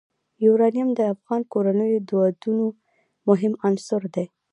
یورانیم د افغان کورنیو د دودونو مهم عنصر دی.